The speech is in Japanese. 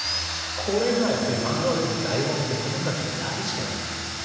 これがやっぱり漫画を読む醍醐味で子どもたちが大好きなとこなんです。